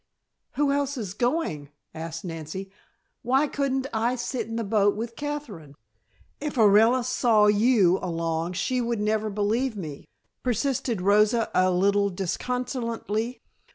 "Who else is going?" asked Nancy. "Why couldn't I sit in the boat with Katherine " "If Orilla saw you along she would never believe me," persisted Rosa, a little disconsolately.